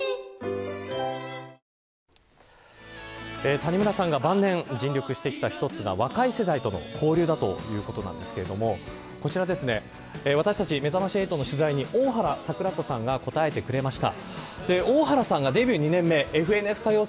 谷村さんが晩年尽力してきた一つが若い世代との交流だということなんですけれどもこちら私たち、めざまし８の取材に大原櫻子さんが答えてくれました。